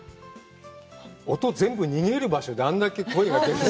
音全部逃げる場所で、あんだけ声が出る。